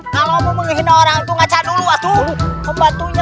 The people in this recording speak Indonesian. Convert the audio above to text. kalau kamu menghina orang kamu harus berhenti